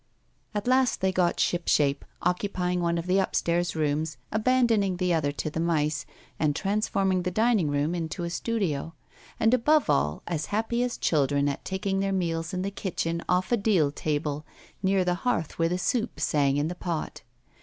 At last they got shipshape, occupying one of the upstairs rooms, abandoning the other to the mice, and transforming the dining room into a studio; and, above all, as happy as children at taking their meals in the kitchen off a deal table, near the hearth where the soup sang in the pot.